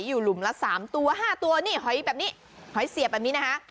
หอยหลุมละ๓ตัวห้าตัวหล่นหอยเสียบแบบนี้นะคะ